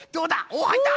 おはいった！